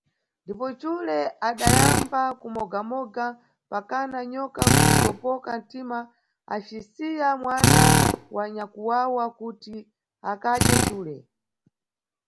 Ndipo cule ule adayamba kumogamoga, mpakana nyoka kutopoka ntima acisiya mwana wa nyakwawa kuti akadye cule.